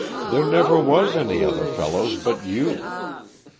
There never was any other fellow but you.